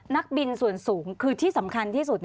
นักบินส่วนสูงคือที่สำคัญที่สุด